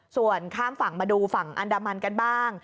ส่วนข้ามฝั่งมาดูฝั่งอันดามันกันบ้าง